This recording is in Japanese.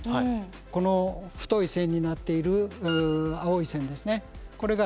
この太い線になっている青い線ですね